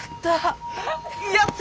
やった。